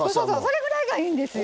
それぐらいがいいんですよ。